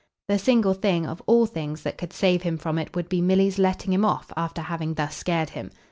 The single thing, of all things, that could save him from it would be Milly's letting him off after having thus scared him.